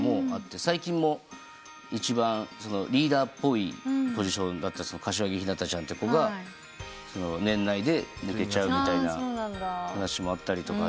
最近も一番リーダーっぽいポジションだった柏木ひなたちゃんって子が年内で抜けちゃうみたいな話もあったりとかで。